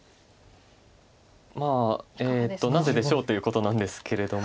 まあなぜでしょうということなんですけれども。